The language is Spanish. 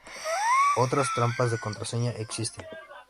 Otras trampas de contraseña existen.